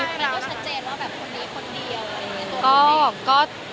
มันก็ชัดเจนว่าแบบคนดีคนเดียว